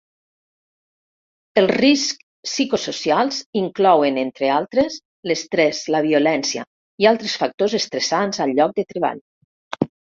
Els riscs psicosocials inclouen, entre altres, l'estrès, la violència i altres factors estressants al lloc de treball.